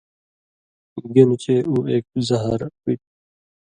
گِنہۡ چے اُو ایک زہر ہُوئ تُھو۔